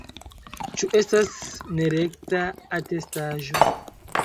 Ĉu estas nerekta atestaĵo?